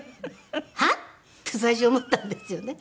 「はっ？」って最初思ったんですよね。